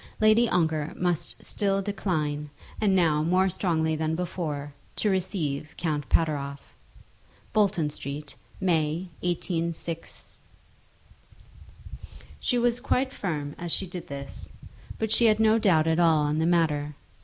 Lady Ongar must still decline, and now more strongly than before, to receive Count Pateroff. Bolton Street, May 186 . She was quite firm as she did this. She had no doubt at all on the matter.